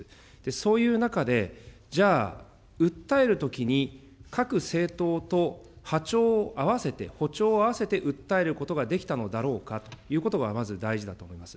そういう中で、じゃあ、訴えるときに各政党と波長を合わせて、歩調を合わせて訴えることができたのだろうかということがまず大事だと思います。